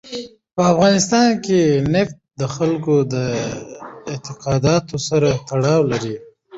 په افغانستان کې نفت د خلکو د اعتقاداتو سره تړاو لري.